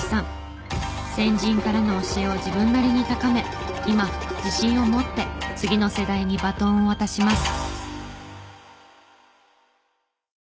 先人からの教えを自分なりに高め今自信を持って次の世代にバトンを渡します。